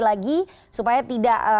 lagi supaya tidak